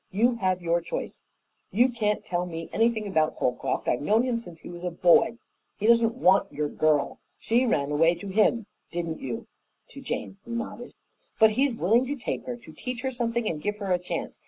You have your choice. You can't tell me anything about Holcroft; I've known him since he was a boy. He doesn't want your girl. She ran away to him, didn't you?" to Jane, who nodded. "But he's willing to take her, to teach her something and give her a chance.